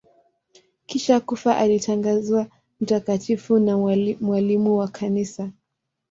Kisha kufa alitangazwa mtakatifu na mwalimu wa Kanisa.